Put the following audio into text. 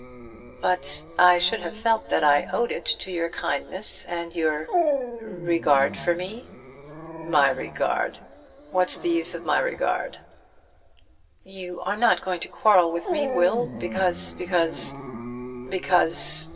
"But I should have felt that I owed it to your kindness and your regard for me." "My regard! What's the use of regard?" "You are not going to quarrel with me, Will, because because because